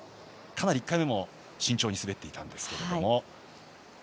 かなり１回目も慎重に滑っていたんですけれども。